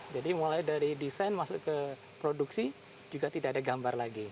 jadi mulai dari desain masuk ke produksi juga tidak ada gambar lagi